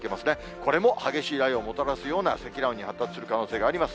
これも激しい雷雨をもたらすような積乱雲に発達する可能性があります。